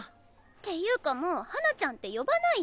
っていうかもうハナちゃんって呼ばないで。